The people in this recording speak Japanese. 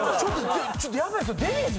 ⁉ちょっとヤバいっすよ。